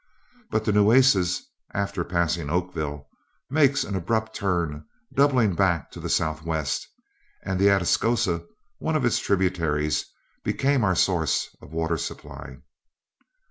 But the Nueces, after passing Oakville, makes an abrupt turn, doubling back to the southwest; and the Atascosa, one of its tributaries, became our source of water supply.